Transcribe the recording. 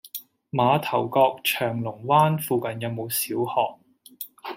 馬頭角翔龍灣附近有無小學？